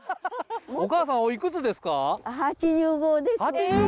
お母さんおいくつですか？